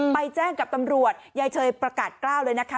ไปแจ้งกับตำรวจยายเชยประกาศกล้าวเลยนะคะ